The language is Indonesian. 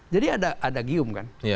jadi ada gium kan